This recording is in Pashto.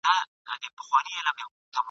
چي زه راځمه خزان به تېر وي ..